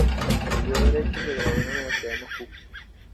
Estudió derecho y se graduó en la Universidad de Moscú.